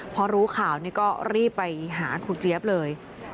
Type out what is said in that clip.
พอรู้ข่าวนี่ก็รีบไปหาครูเจี๊ยบเลย